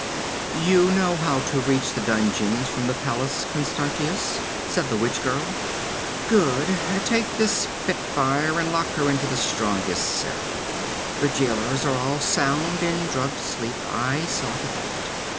'You know how to reach the dungeons from the palace, Constantius?' said the witch girl. 'Good. Take this spitfire and lock her into the strongest cell. The jailers are all sound in drugged sleep. I saw to that.